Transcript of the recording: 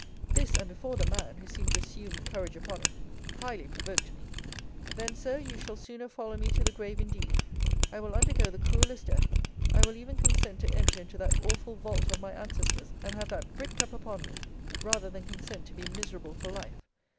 This, and before the man, who seemed to assume courage upon it, highly provoked me. Then, Sir, you shall sooner follow me to the grave indeed. I will undergo the cruelest death I will even consent to enter into that awful vault of my ancestors, and have that bricked up upon me, rather than consent to be miserable for life.